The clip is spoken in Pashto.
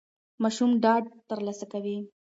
ماشوم ډاډ ترلاسه کوي.